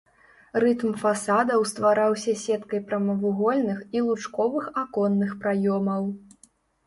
Рытм фасадаў ствараўся сеткай прамавугольных і лучковых аконных праёмаў.